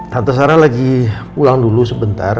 tante sarah lagi pulang dulu sebentar